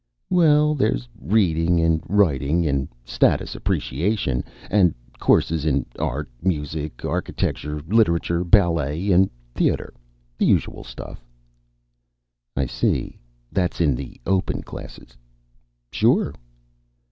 "Well, there's reading and writing and status appreciation, and courses in art, music, architecture, literature, ballet, and theater. The usual stuff." "I see. That's in the open classes?" "Sure."